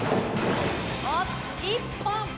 おっ１本！